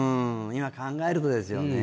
今考えるとですよね